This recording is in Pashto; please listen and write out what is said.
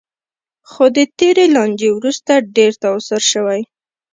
خو د تېرې لانجې وروسته ډېر تاوسر شوی.